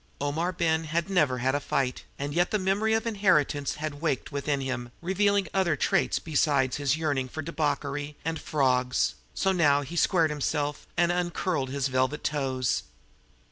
Omar Ben had never had a fight, and yet the memory of inheritance had waked within him, revealing other traits besides his yearning for debauchery and "frawgs"; so now he squared himself and uncurled his velvet toes.